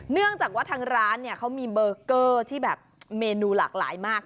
เนื่องจากว่าทางร้านเนี่ยเขามีเบอร์เกอร์ที่แบบเมนูหลากหลายมาก